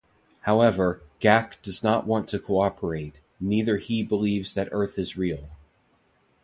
However, Gack does not want to cooperate, neither he believes that Earth is real.